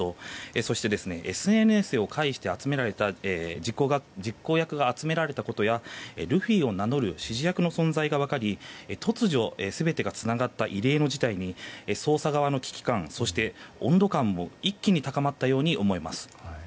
そしてＳＮＳを介して実行役が集められたことやルフィを名乗る指示役の存在が分かり突如、全てがつながった異例の事態に捜査側の危機感、温度感も一気に高まったように感じます。